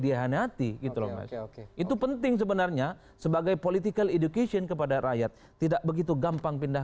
dihanehati itu penting sebenarnya sebagai political education kepada rakyat tidak begitu gampang pindah